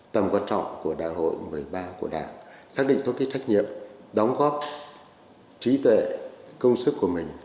tầm quan trọng của đại hội một mươi ba của đảng xác định tốt cái trách nhiệm đóng góp trí tuệ công sức của mình